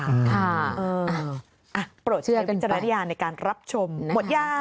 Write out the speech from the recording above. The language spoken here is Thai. โปรดใช้วิจารณญาณในการรับชมหมดยา